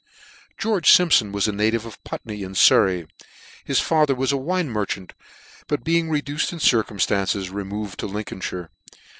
GEORGE SIMPSON was a native of Putney in, Surry. His father was a wine merchant, but be ing reduced in circumftances, removed into Lin colnfhire.